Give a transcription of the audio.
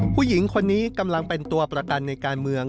ผู้หญิงคนนี้กำลังเป็นตัวประกันในการเมือง